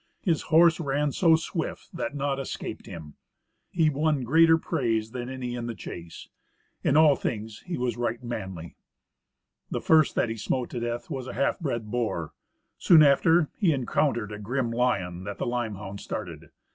His horse ran so swift that naught escaped him; he won greater praise than any in the chase. In all things he was right manly. The first that he smote to the death was a half bred boar. Soon after, he encountered a grim lion, that the limehound started.